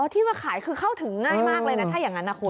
ที่มาขายคือเข้าถึงง่ายมากเลยนะถ้าอย่างนั้นนะคุณ